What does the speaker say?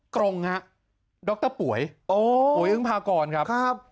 ตรงฮะดรป่วยป่วยอึ้งพากรครับ